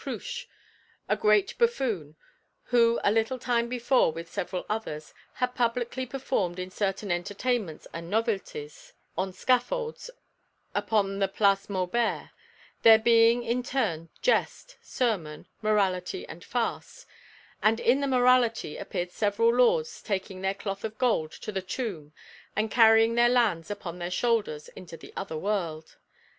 Cruche, a great buffoon, who a little time before with several others had publicly performed in certain entertainments and novelties' on scaffolds upon the Place Maubert, there being in turn jest, sermon, morality and farce; and in the morality appeared several lords taking their cloth of gold to the tomb and carrying their lands upon their shoulders into the other world.